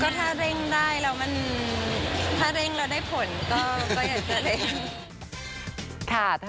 ถ้าเร่งได้แล้วมันถ้าเร่งแล้วได้ผลก็อยากจะเร่ง